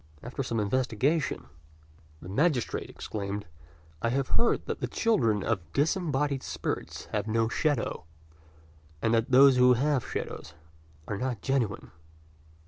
After some investigation, the magistrate exclaimed, "I have heard that the children of disembodied spirits have no shadow; and that those who have shadows are not genuine."